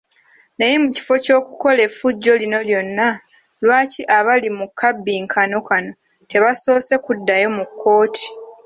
Naye mu kifo ky’okukola effujjo lino lyonna, lwaki abali mu kabbinkano kano tebasoose kuddayo mu kkooti.